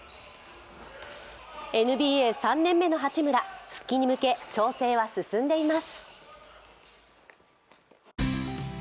ＮＢＡ３年目の八村復帰に向け調整は進んでいます。